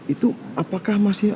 itu apakah masih